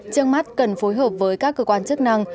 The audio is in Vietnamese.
trước mắt cần phối hợp với các cơ quan chức năng